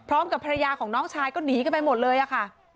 พร้อมกับภรรยาของน้องชายก็หนีกันไปหมดเลยอะค่ะ